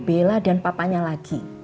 bella dan papanya lagi